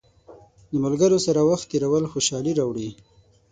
د ملګرو سره وخت تېرول خوشحالي راوړي.